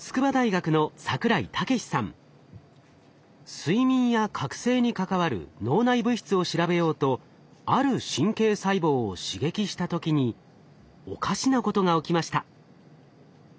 睡眠や覚醒に関わる脳内物質を調べようとある神経細胞を刺激した時におかしなことが起きました。